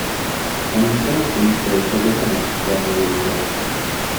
En même temps, il se montre favorable à un pouvoir royal fort.